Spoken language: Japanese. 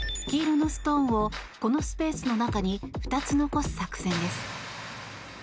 黄色のストーンをこのスぺースの中に２つ残す作戦です。